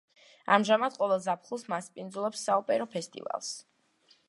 ამჟამად, ყოველ ზაფხულს მასპინძლობს საოპერო ფესტივალს.